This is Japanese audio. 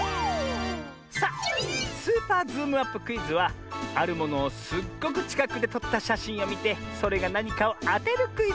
さあ「スーパーズームアップクイズ」はあるものをすっごくちかくでとったしゃしんをみてそれがなにかをあてるクイズ！